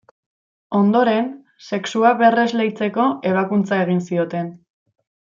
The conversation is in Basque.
Ondoren sexua berresleitzeko ebakuntza egin zioten.